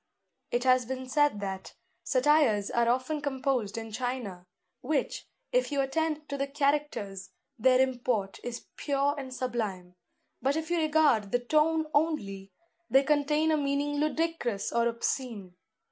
It has been said that "Satires are often composed in China, which, if you attend to the characters, their import is pure and sublime; but if you regard the tone only, they contain a meaning ludicrous or obscene.